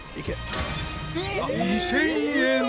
２０００円。